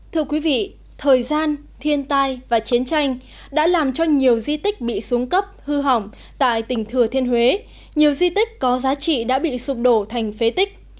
thưa quý vị thời gian thiên tai và chiến tranh đã làm cho nhiều di tích bị xuống cấp hư hỏng tại tỉnh thừa thiên huế nhiều di tích có giá trị đã bị sụp đổ thành phế tích